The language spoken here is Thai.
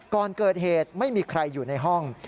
ก่อนเกิดเหตุไม่มีใครอยู่ในห้อง